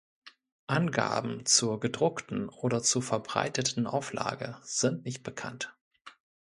Angaben zur gedruckten oder zur verbreiteten Auflage sind nicht bekannt.